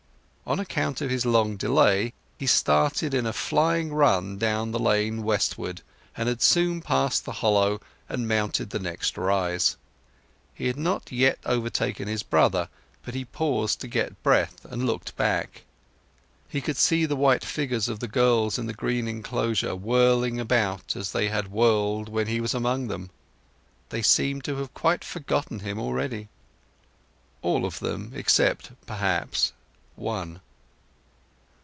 On account of his long delay he started in a flying run down the lane westward, and had soon passed the hollow and mounted the next rise. He had not yet overtaken his brothers, but he paused to get breath, and looked back. He could see the white figures of the girls in the green enclosure whirling about as they had whirled when he was among them. They seemed to have quite forgotten him already. All of them, except, perhaps, one.